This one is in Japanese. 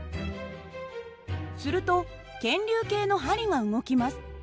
すると検流計の針が動きます。